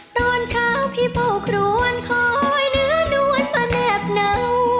ตอนเช้าพี่เฝ้าครวนคอยเนื้อนวดมาแนบเหนา